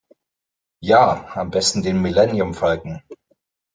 Ja, am besten den Millenniumfalken.